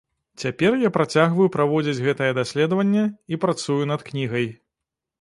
Цяпер я працягваю праводзіць гэтае даследаванне і працую над кнігай.